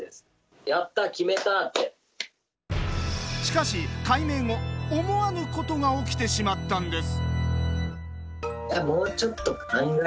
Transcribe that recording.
しかし改名後思わぬことが起きてしまったんです。